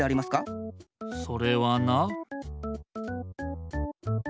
それはな。